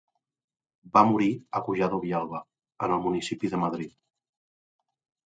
Va morir a Collado Villalba, en el municipi de Madrid.